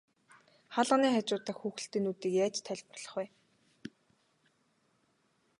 Хаалганы хажуу дахь хүүхэлдэйнүүдийг яаж тайлбарлах вэ?